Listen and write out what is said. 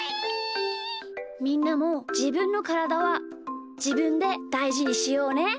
みんなもじぶんのからだはじぶんでだいじにしようね！